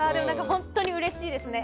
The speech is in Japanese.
本当にうれしいですね。